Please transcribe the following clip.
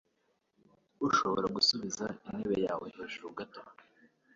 Urashobora gusubiza intebe yawe hejuru gato?